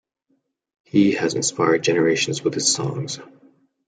He has inspired generations with his songs.